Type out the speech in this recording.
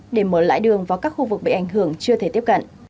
để mở lại đường vào các khu vực bị ảnh hưởng chưa thể tiếp cận